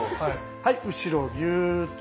はい後ろギューッと。